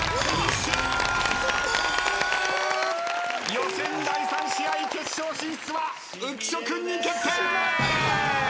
予選第３試合決勝進出は浮所君に決定！